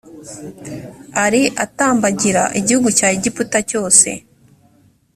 ari atambagira igihugu cya egiputa cyose